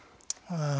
ああ。